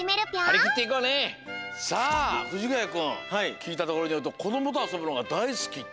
きいたところによるとこどもとあそぶのがだいすきっていう。